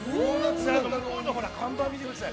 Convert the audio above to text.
向こうの看板、見てください。